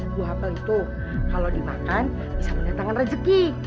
buah apel itu kalau dimakan bisa mendatangkan rezeki